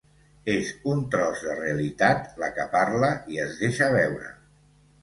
És un tros de realitat la que parla i es deixa veure.